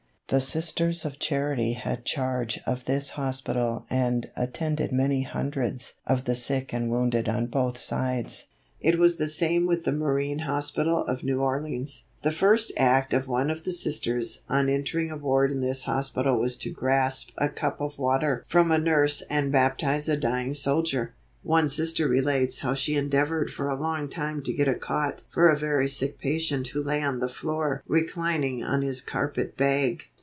The Sisters of Charity had charge of this hospital and attended many hundreds of the sick and wounded on both sides. It was the same with the Marine Hospital of New Orleans. The first act of one of the Sisters on entering a ward in this hospital was to grasp a cup of water from a nurse and baptize a dying soldier. One Sister relates how she endeavored for a long time to get a cot for a very sick patient who lay on the floor reclining on his carpet bag.